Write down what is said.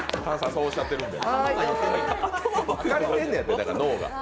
そうおっしゃってるんで、脳が。